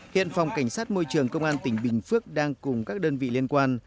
hiện phòng cảnh sát môi trường công an tỉnh bình phước đang cùng các đơn vị liên quan